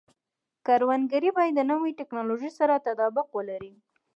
کروندګري باید د نوې ټکنالوژۍ سره تطابق ولري.